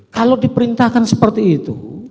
kalau diperintahkan seperti itu